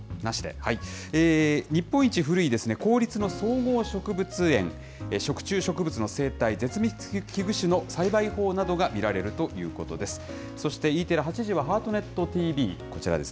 日本一古い公立の総合植物園、食虫植物の生態、絶滅危惧種の栽培法などが見られるということです。